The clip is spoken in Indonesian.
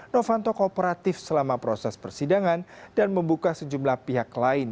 novanto kooperatif selama proses persidangan dan membuka sejumlah pihak lain